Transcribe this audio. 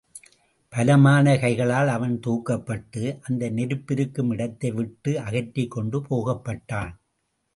பலமான கைகளால் அவன் தூக்கப்பட்டு, அந்த நெருப்பிருக்கும் இடத்தை விட்டு அகற்றிக் கொண்டு போகப்பட்டான்.